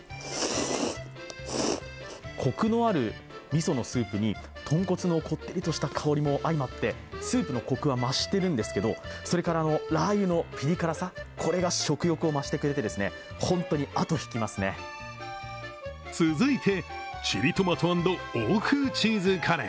コクのある味噌のスープに豚骨のこってりとした香りも相まって、スープのコクは増しているんですけど、それからラー油のピリ辛さ、これが食欲を増してくれて続いて、チリトマト＆欧風チーズカレー。